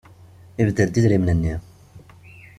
Ibeddel-d idrimen-nni.